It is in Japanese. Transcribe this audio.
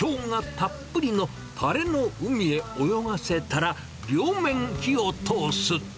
たっぷりのたれの海へ泳がせたら、両面火を通す。